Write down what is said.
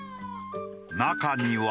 中には。